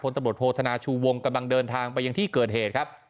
ตำรวจโทษธนาชูวงกำลังเดินทางไปยังที่เกิดเหตุครับ